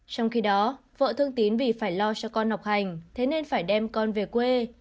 trong khi đó vợ thương tín vì phải lo cho con học hành thế nên phải đem con về quê